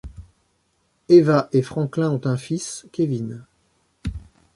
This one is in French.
Eva et Franklin ont un fils, Kevin.